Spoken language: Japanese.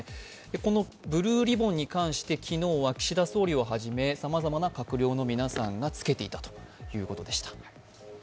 このブルーリボンに関して、昨日は岸田総理をはじめさまざまな閣僚の皆さんが着けていたということでした。